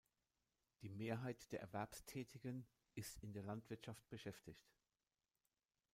Die Mehrheit der Erwerbstätigen ist in der Landwirtschaft beschäftigt.